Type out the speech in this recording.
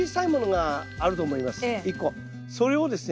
それをですね